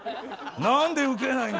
何でウケないんだぜ。